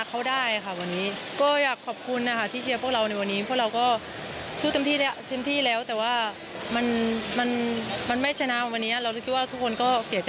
เขาได้ค่ะวันนี้ก็อยากขอบคุณนะคะที่เชียร์พวกเราในวันนี้เพราะเราก็สู้เต็มที่แล้วเต็มที่แล้วแต่ว่ามันมันไม่ชนะวันนี้เราคิดว่าทุกคนก็เสียใจ